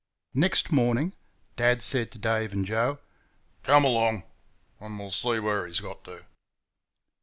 Next morning, Dad said to Dave and Joe, "Come 'long, and we'll see where he's got to."